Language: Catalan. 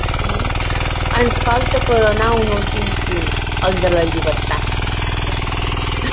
Ens falta coronar un últim cim, el de la llibertat.